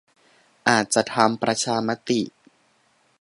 อาจจะทำประชามติ